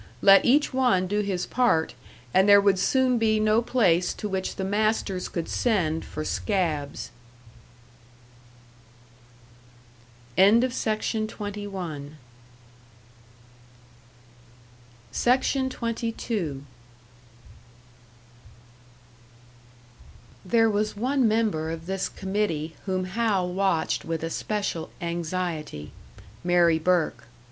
Let each one do his part, and there would soon be no place to which the masters could send for "scabs." SECTION 22. There was one member of this committee whom Hal watched with especial anxiety Mary Burke.